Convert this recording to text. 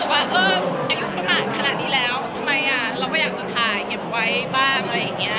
เราก็อยากถ่ายเก็บไว้บ้างอะไรแบบเนี้ย